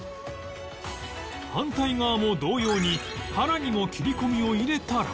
反対側も同様に腹にも切り込みを入れたら